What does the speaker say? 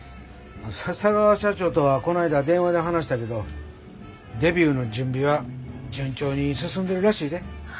笹川社長とはこないだ電話で話したけどデビューの準備は順調に進んでるらしいで。